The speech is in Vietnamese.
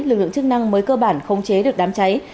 lực lượng chức năng mới cơ bản khống chế được đám cháy